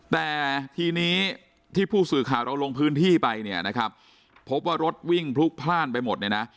แต่ทีนี้ที่ผู้สื่อข่าวเราลงพื้นที่ไปเนี่ยนะครับพบว่ารถวิ่งพลุกพลาดไปหมดเนี่ยนะ